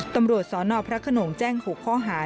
ตำรวจสนพระขนงแจ้ง๖ข้อหา